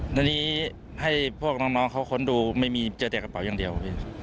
ตอนนี้ให้พวกน้องเขาค้นดูไม่มีเจอแต่กระเป๋าอย่างเดียวพี่